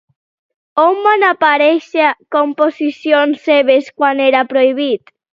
On van aparèixer composicions seves quan era prohibit?